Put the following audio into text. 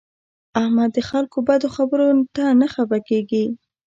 احمد د خلکو بدو خبرو ته نه خپه کېږي.